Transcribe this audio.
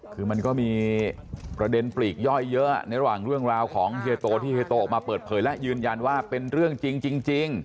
คือมันก็มีประเด็นปลีกย่อยเยอะในระหว่างเรื่องราวของเฮียโตที่เฮโตออกมาเปิดเผยและยืนยันว่าเป็นเรื่องจริง